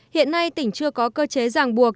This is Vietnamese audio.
hiện nay tỉnh chưa có cơ chế ràng buộc